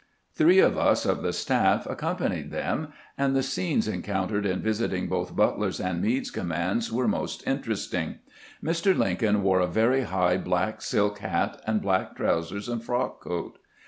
Three of us of the staff accompanied them, and the scenes encountered in visiting both Butler's and Meade's commands were most interesting. Mr. Lincoln wore a very high black silk hat and black trousers and frock coat.